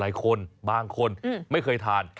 บางคนบางคนไม่เคยทาน